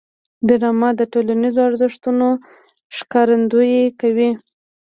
ډرامه د ټولنیزو ارزښتونو ښکارندويي کوي